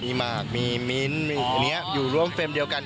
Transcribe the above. มีมากมีมิ้นอยู่ร่วมเฟรมเดียวกัน